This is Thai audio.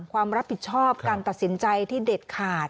ความรับผิดชอบการตัดสินใจที่เด็ดขาด